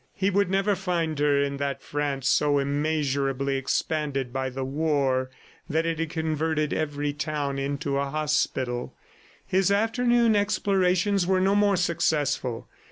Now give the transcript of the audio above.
He would never find her in that France so immeasurably expanded by the war that it had converted every town into a hospital. His afternoon explorations were no more successful.